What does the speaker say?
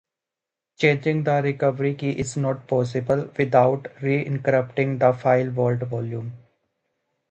Changing the recovery key is not possible without re-encrypting the File Vault volume.